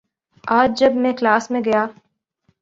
آج جب میں کلاس میں گیا